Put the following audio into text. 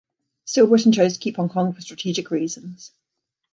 Still, Britain chose to keep Hong Kong for strategic reasons.